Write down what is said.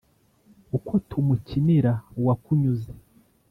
Uko tumukinira uwakunyuze